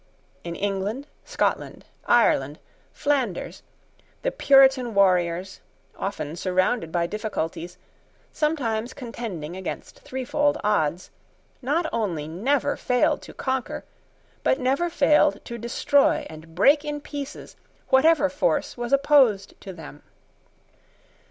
In England, Scotland, Ireland, Flanders, the Puritan warriors, often surrounded by difficulties, sometimes contending against threefold odds, not only never failed to conquer, but never failed to destroy and break in pieces whatever force was opposed to them.